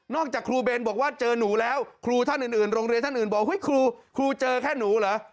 จากครูเบนบอกว่าเจอหนูแล้วครูท่านอื่นโรงเรียนท่านอื่นบอกครูครูเจอแค่หนูเหรอ